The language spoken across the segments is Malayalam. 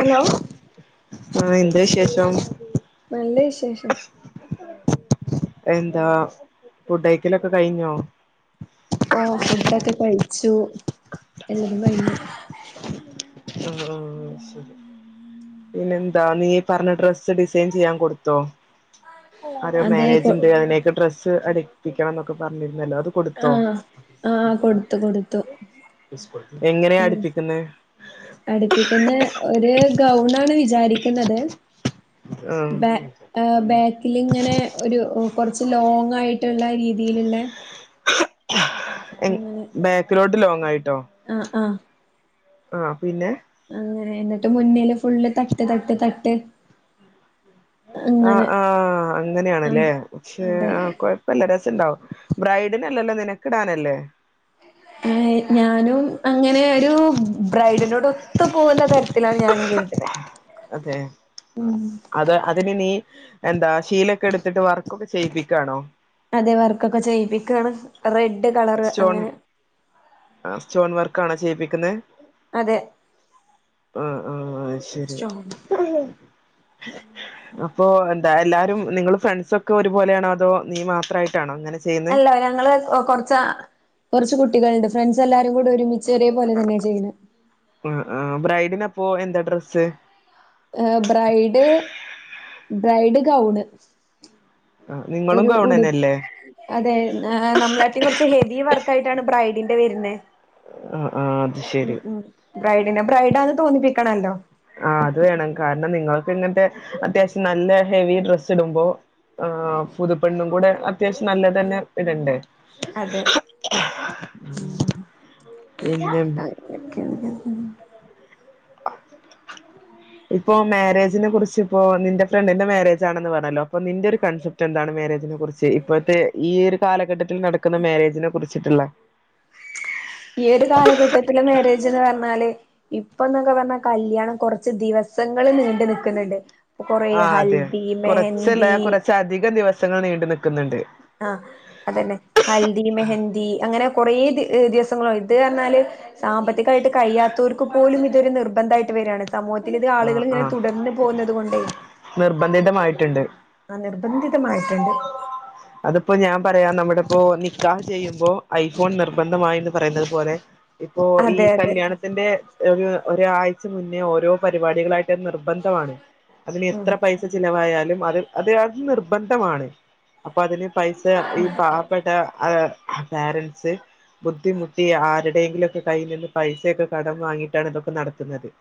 ഹലോ ഉം എന്ത് വിശേഷം? നല്ല വിശേഷം എന്താ ഫുഡ്‌ കഴിക്കലൊക്കെ കഴിഞ്ഞോ? ഓ ഫുഡക്കെ കഴിച്ചു എല്ലാരും കഴിഞ്ഞു മ്മ് -മ്മ് -മ്മ് ശരി പിന്നെന്താ നീ പറഞ്ഞ ഡ്രസ്സ്‌ ഡിസൈൻ ചെയ്യാൻ കൊടുത്തോ അതോ അതെ കൊ മാരേജിന്റെ അയിനെക്കെ ഡ്രസ്സ്‌ ത് അടിപ്പിക്കണന്നൊക്കെ പറഞ്ഞിരു ന്നല്ലോ. അത് കൊടുത്തോ. ആഹ് ആഹ് കൊടുത്തു കൊടുത്തു എങ്ങനെയാ അടുപ്പിക്കുന്നെ? പ്പിക്കുന്നേ ഒരു ഗൗൺ ആണ് വിചാരിക്കുന്നത് ആഹ് ബാ ഏ ബാക്കിലിങ്ങനെ ഒരു കൊറച്ച് ലോങ്ങ്‌ ആയി ട്ടുള്ള രീതിയിലുള്ള എ അങ്ങനെ ബാക്കിലോട്ട് ലോങ്ങ്‌ ആയി ആഹ് -ആഹ് ആഹ് പിന്നെ അങ്ങനെ എന്നിട്ട് മുന്നില് ഫുള്ള് തട്ട് തട്ട് തട്ട് അ അങ്ങനെ ആ ആഹ് അങ്ങനെയാണല്ലേ പക്ഷെ അതെ അ കൊഴപ്പം ഇല്ലടേ ച്ചുണ്ടാവും. ബ്രൈഡിനല്ലല്ലോ നിനക്കിടാനല്ലേ ഏഹ് ഞാനും അങ്ങനെ ഒരു ബ്രൈഡിൻറെകൂടൊത്തുപോകുന്ന തരത്തിലാണ് ഞാനും ചെയ്തിരിക്കുന്നേ. അതെ ഉം അത് അതിന് നീ എന്താ ഷീലൊക്കെ എടുത്തിട്ട് വർക്ക് ഒക്കെ ചെയ്പ്പിക്കയാണോ? അതെ വർക്കൊക്കെ ചെയ്പ്പിക്കയാണ്. റെ ഡ് കളറ് സ്റ്റോൺ അങ്ങനെ. ക്കാണോ ചെയ്യിപ്പിച്ചു ശ്ശേ? അതെ ഉം ഉം ഉം ശരി. സ്ട്രോങ് അപ്പൊ എന് ടാ എല്ലാരും നിങ്ങള് ഫ്രൺസ്സൊക്കെ ഒരുപോലെയാണോ അതോ നീ മാത്രമായിട്ടാണോ അങ്ങനെ ചെയ്യുന്നെ അല്ല ഞങ്ങള് ഒ കൊറച്ചാ ച്ചു കുട്ടികൾ ഉണ്ട്. ഫ്രൺസ്സെല്ലാരുംകൂടെ ഒരുമിച്ച് ഒരേപോലെ നിന്നാ ചെയ്യുന്നേ അ ആ ബ്രൈഡിനപ്പോ എന്താ ഡ്രസ്സ്? ഏ ബ്രൈഡ് ബ്രൈഡ് ഗൗണ്. ആഹ് നിങ്ങളും ഒരു ഉടു ഗൗണന്നല്ലേ അതെ അഅ നമ്മളാടീം കുറച്ച് ഹെവീ വർക്കായിട്ടാണ് ബ്രൈഡിന്റെ വരുന്നേ. ആഹ് ആഹ് അത് ഉം ശരി ഉം ബ്രൈഡ് പിന്നെ ബ്രൈഡാന്ന് തോന്നിപ്പിക്കണല്ലോ. ആ അതുവേണം കാരണം നിങ്ങൾ പിന്നത്തെ അത്യാവശ്യം നല്ല ഹെവീ ഡ്രെസ്സ് ഇടുമ്പൊ ആ പുതുപെണ്ണും കൂടെ അത്യാവശ്യം നല്ലതന്നെ ഇടണ്ടേ അതെ [inaudible] പിന്നെ ഇപ്പോം മാരേജിനെ കുറിച്ചിപ്പോ നിന്റെ ഫ്രണ്ടിന്റെ മാരേജാണെന്നു പറഞ്ഞല്ലോ അപ്പം നിന്റെ ഒരു കൺസപ് റ്റെന്താണ് മാരേജിനെ കുറിച്ച് ഇപ്പോഴത്തെ ഈ ഒരു കാലഘട്ടത്തിൽ നടക്കുന്ന മാരേജിനെ കുറിച് ച്ചിട്ടുള്ള ഏതു കാലഘട്ടത്തിലും മാരേജെന്ന് പറഞ്ഞാല് ഇപ്പം ന്നൊക്കെ പറഞ്ഞാ കല്യാണം കുറച്ച് ദിവസങ്ങൾ നീണ്ടുനിക്കുന്നുണ്ട്. ആ അതെ കുറച്ചല്ല കുറച്ചധികം ദിവസങ്ങൾ നീണ് ആ അതന്നെ. ഹൽദി, മെഹന്തി അങ്ങനെ കൊറെ ദിവ ദിവസങ്ങള് ഇതുപറഞ്ഞാല് സാമ്പത്തികായിട്ട് കഴിയത്തോർക്ക് പോലും ഇതൊരു നിർബന്ധമായിട്ട് വരാണ് സമൂഹത്തിലിത് ആ ആളുകള് ആ ങ്ങനെ തുടർന്ന് പോകുന്നതുകൊണ്ടെ നിർബന്ധിതമായിട്ടുണ്ട് ആ നിർബന്ധിതമായിട്ടുണ്ട്. അതിപ്പോ ഞാൻ പറയാം നമ്മളിപ്പോ നിക്കാഹ് ചെയ്യുമ്പോ ഐഫോൺ നിർബന്ധമായിന്ന് പറയുന്നത് പോലെ ഇപ്പൊ ഈ അതെ അതെ കല്യാണത്തിൻറെ ഒരു ഒരാഴ്ച മുന്നെ ഒ രോ പരിപാടികളായാ ട്ട് നിർബന്ധമാണ് അതിന് ഉം എത്ര പൈസ ചിലവായാ ഇതേമാറി അതിയത് നിർബന്ധമാണ് പകുതി പൈസ ഈ പാവപ്പെട്ട ആഹ് പാരൻസ് ബുദ്ധിമുട്ടി ആരുടെയെങ്കിലുക്കെ കയ്യിൽ നിന്ന് പൈസയൊക്കെ കടം വാങ്ങിയിട്ടാണ് ഇതൊക്കെ നടത്തുന്നത് [inaudible]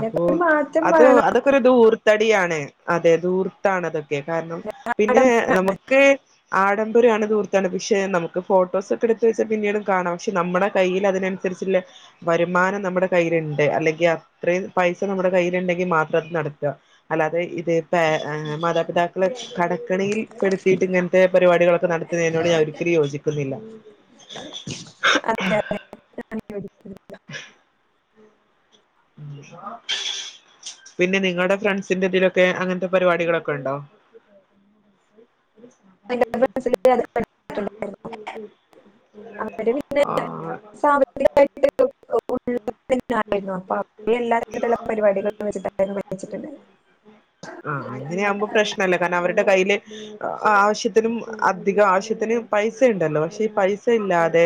അപോ ഒരു മാറ്റം അത് അതൊക്കൊരു ധൂർ ത്തടിയാണ് അതെ ദൂർത്താണത് കെ കാരണം പിന്നെ വേണം നമുക്ക് ആഡംബരാണ് ധൂർത് താണ് പിഷേ നമുക്ക് ഫോട്ടോസൊക്കെടുത്തു വച്ച പിന്നീടും കാണാം. ഷേ നമ്മുടെ കയ്യിൽ അതിനനുസരിച്ചുള്ള വരുമാനം നമ്മുടെ ധൈര്യണ്ട് അല്ലെങ്കി അത്രേം പൈസ നമ്മുടെ കയ്യിലിണ്ടെങ്കി മാത്രം അത് നടത്ത അല്ലാതെ ഇത് പാര ആ മാതാപിതാക്കളെ ഷ് കടക്കെണിയിൽ പെടുത്തിയിട്ട് ഇങ്ങൻത്തെ പരിപാടികളൊക്കെ നടത്തുന്നതിനോട് ഞാൻ ഒരിക്കലും യോജിക്കുന്നില്ല അതെയതെ ഞാനും യോജിക്കുന്നില്ല പിന്നെ നിങ്ങളുടെ ഫ്രണ്ട്സ്ന്റെ ഇതിലൊക്കെ അങ്ങൻതെ പരുപാടി കളൊക്കെണ്ടോ ആ [unintelligible] ഉള്ളതിനായിരുന്നു അപ്പൊ അവര് എല്ലാ തരത്തിലുള്ള പരിപാടികളും വെച്ചിട്ടായിരുന്നു വെച്ചിട്ടുണ്ടായിരുന്നത് ആഹ് അങ്ങനെ ആവുമ്പൊ പ്രശ്നല്ല കാരണം അവരടെ കയ്യിലു ആഹ് ആവശ്യത്തിനും അതികം ആവശ്യത്തിന് പൈസ ഇണ്ടല്ലോ പക്ഷേ പൈസ ഇല്ലാതെ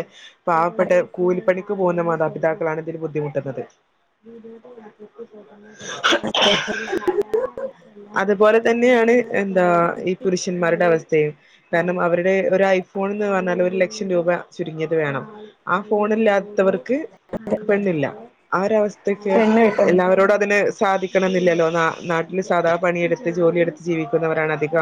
പാവപ്പെട്ട കൂലിപ്പണിക്ക് പോവുന്ന മാതാപിതാ ഇതിലും ബുദ്ധിമുട്ടുന്നത്. അത് പോലത്തന്നെയാണ് എന്താ ഈ പുരുഷൻമാര് വസ്ഥേയും കാരണം അവര്ടെ ഒരയ്ഫോൺന്ന് പറഞ്ഞാല് ഒരു ലക് ലക്ഷം ചുരുങ്ങിയത് വേണം ആ ഫോണില്ലാത്തവർക് പെണ്ണില്ല അവരവസ്ഥക്ക് പെണ്ണ് കെട്ടുന്നത് എല്ലാവരോടും അതിന് സാധിക്കണംന്ന ല്ലലോ നാ നാടി സാധാ പണി എടുത്ത് ജോലി എടുത്ത് ജീവിക്കുന്നവരാണതികം